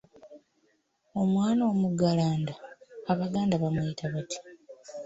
Omwana omuggulanda, Abaganda bamuyita batya?